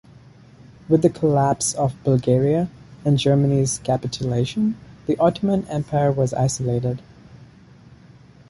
With the collapse of Bulgaria and Germany's capitulation, the Ottoman Empire was isolated.